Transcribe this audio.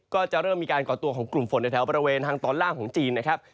ก็จะเริ่มมีการก่อตัวของกลุ่มฝนในแถวบริเวณทางตอนล่างของจีนนะครับ